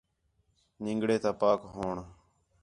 نِنگڑے تا پاک ہووݨ